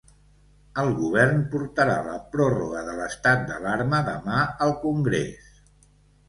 El govern portarà la pròrroga de l’estat d’alarma demà al congrés.